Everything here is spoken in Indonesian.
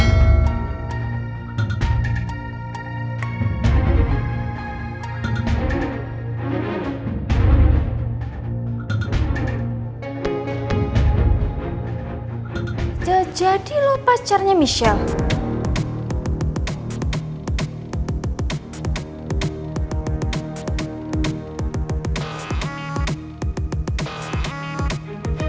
udah jadi lo pacarnya michelle